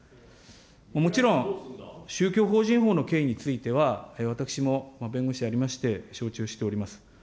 もちろん、宗教法人法の件について、私も弁護士でありまして、承知をしております。